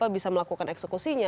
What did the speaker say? bisa melakukan eksekusinya